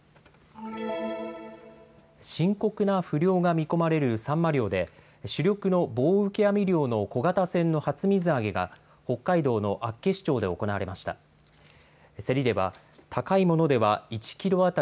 深刻な不漁が見込まれるサンマ漁で主力の棒受け網漁の小型船の初水揚げが北海道の厚岸町で行われました。